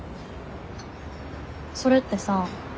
それってさ。